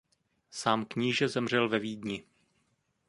Sám kníže zemřel ve Vídni.